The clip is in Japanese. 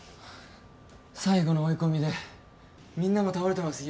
最後の追い込みでみんなも倒れてます